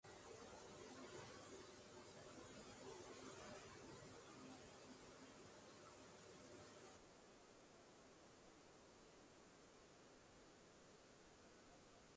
His piano students have included Earl MacDonald, Harry Pickens, and Aaron Parks.